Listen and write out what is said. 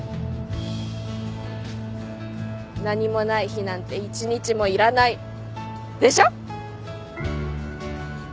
「何もない日なんて１日もいらない」でしょ？